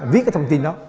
viết cái thông tin đó